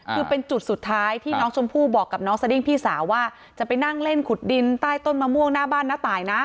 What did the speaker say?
คือเป็นจุดสุดท้ายที่น้องชมพู่บอกกับน้องสดิ้งพี่สาวว่าจะไปนั่งเล่นขุดดินใต้ต้นมะม่วงหน้าบ้านน้าตายนะ